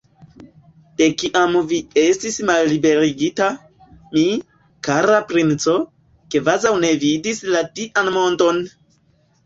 De kiam vi estis malliberigita, mi, kara princo, kvazaŭ ne vidis la Dian mondon!